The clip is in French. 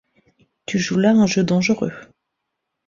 Tu joues là un jeu dangereux.